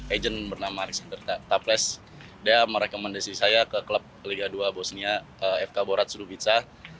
agent bernama alexander taples dia merekomendasi saya ke klub liga ii bosnia fk boracudu bitsa